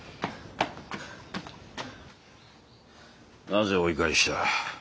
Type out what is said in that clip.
なぜ追い返した？